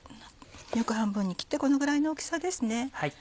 横半分に切ってこのぐらいの大きさですね。